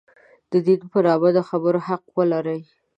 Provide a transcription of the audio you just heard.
د دین په نامه د خبرو حق ولري.